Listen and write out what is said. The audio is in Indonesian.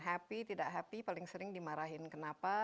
happy tidak happy paling sering dimarahin kenapa